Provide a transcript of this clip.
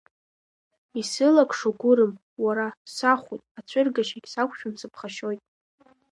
Исылакшо гәырым, уара, сахәуеит, ацәыргашьагь сақәшәом сыԥхашьоит.